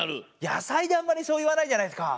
やさいであんまりそういわないじゃないですか！